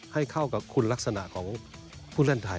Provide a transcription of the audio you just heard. ให้เข้ากับคุณลักษณะของผู้เล่นไทย